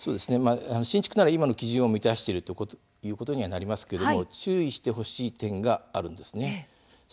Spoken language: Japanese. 新築なら今の基準を満たしていることにはなりますが注意してほしい点があるんです。